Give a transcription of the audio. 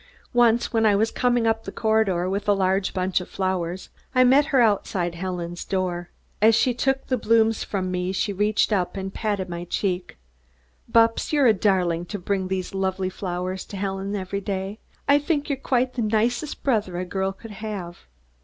Once when I was coming up the corridor with a large bunch of flowers, I met her outside Helen's door. As she took the blooms from me, she reached up and patted my cheek. "Bupps, you're a darling to bring these lovely flowers to Helen every day. I think you're quite the nicest brother a girl could have."